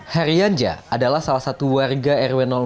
herianja adalah salah satu warga rw empat